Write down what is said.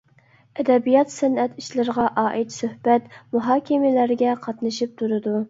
ئەدەبىيات-سەنئەت ئىشلىرىغا ئائىت سۆھبەت، مۇھاكىمىلەرگە قاتنىشىپ تۇرىدۇ.